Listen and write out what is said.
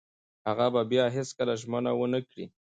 هغه به بیا هیڅکله ژمنه ونه کړي.